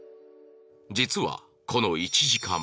実はこの１時間前